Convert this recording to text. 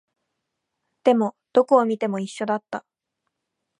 でも、どこを見ても一緒だった